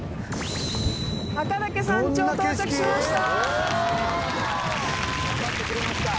赤岳山頂到着しました！